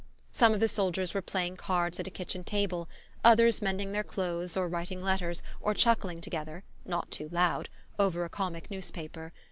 Some of the soldiers were playing cards at a kitchen table, others mending their clothes, or writing letters or chuckling together (not too loud) over a comic newspaper.